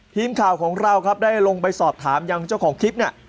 ทีมข่าวของเราครับได้ลงไปสอบถามยังเจ้าของคลิปเนี่ย